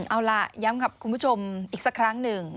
เอาล่ะย้ำกับคุณผู้ชมอีกสักครั้งหนึ่ง